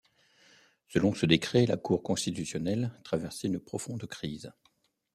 Selon ce décret, la Cour constitutionnelle traversait une profonde crise.